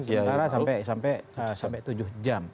sementara sampai tujuh jam